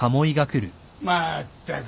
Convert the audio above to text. まったく。